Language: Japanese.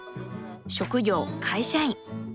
職業会社員。